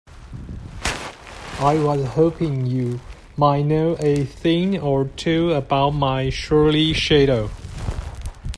I was hoping you might know a thing or two about my surly shadow?